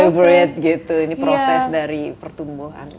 you get over it gitu ini proses dari pertumbuhan